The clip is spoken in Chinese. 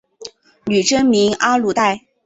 女真名阿鲁带。